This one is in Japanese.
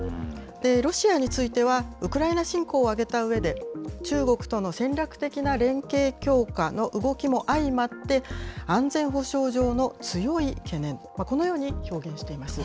ロシアについては、ウクライナ侵攻を挙げたうえで、中国との戦略的な連携強化の動きも相まって、安全保障上の強い懸念、このように表現しています。